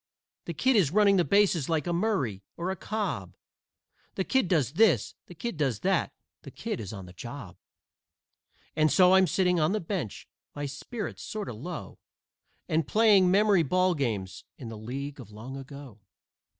"The Kid is running bases like a Murray or a Cobb, The Kid does this, the Kid does that, the Kid is on the job." And so I'm sitting on the bench, my spirits sort o' low, And playing memory ball games in the League of Long Ago.